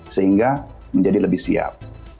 sehingga menjadi lebih siap